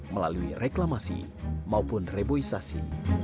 melalui reklamasi maupun reboisasi